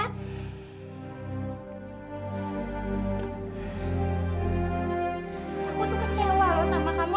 aku tuh kecewa loh sama kamu